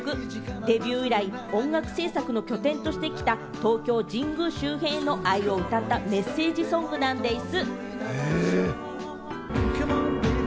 デビュー以来、音楽制作の拠点としてきた東京・神宮周辺への愛を歌ったメッセージソングなんでぃす。